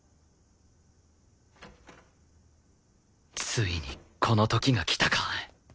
ついにこの時がきたか